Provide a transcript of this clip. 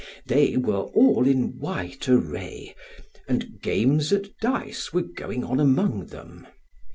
They were all in white array, and games at dice were going on among them.